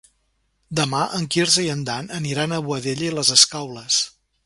Demà en Quirze i en Dan aniran a Boadella i les Escaules.